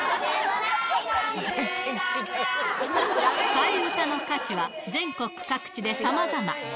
替え歌の歌詞は、全国各地でさまざま。